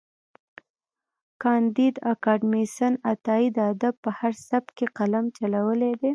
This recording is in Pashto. کانديد اکاډميسن عطايي د ادب په هر سبک کې قلم چلولی دی.